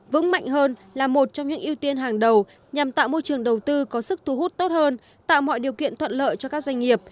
vững mạnh hơn là một trong những ưu tiên hàng đầu nhằm tạo môi trường đầu tư có sức thu hút tốt hơn tạo mọi điều kiện thuận lợi cho các doanh nghiệp